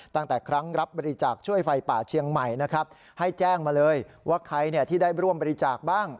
ตั้งแต่ครั้งรับบริจาคช่วยไฟป่าเชียงใหม่นะครับให้แจ้งมาเลยว่าใครที่ได้ร่วมบริจาคบ้าง